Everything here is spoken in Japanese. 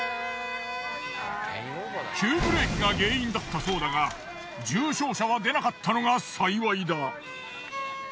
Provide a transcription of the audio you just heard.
急ブレーキが原因だったそうだが重傷者は出なかったのが幸いだ。